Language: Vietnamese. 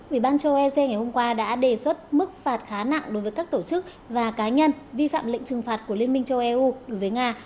ủy ban châu ec ngày hôm qua đã đề xuất mức phạt khá nặng đối với các tổ chức và cá nhân vi phạm lệnh trừng phạt của liên minh châu eu đối với nga